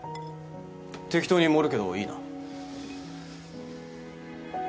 適当に盛るけどいいな？